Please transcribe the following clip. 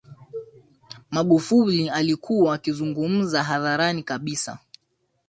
Magufuli alikuwa akizungumza hadharani kabisa